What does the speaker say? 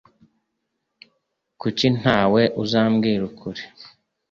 Kuki ntawe uzambwira ukuri